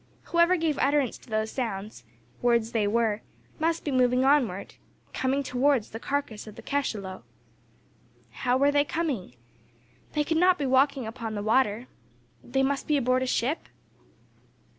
Whoever gave utterance to those sounds words they were must be moving onward, coming towards the carcass of the cachalot. How were they coming? They could not be walking upon the water: they must be aboard a ship?